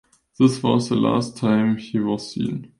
This was the last time he was seen.